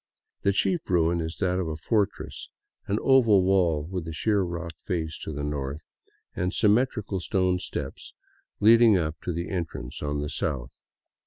The chief ruin is that of a fortress, an oval wall with a sheer rock face to the north, and symmetrical stone steps leading up to the entrance on the south.